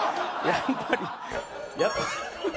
やっぱりね。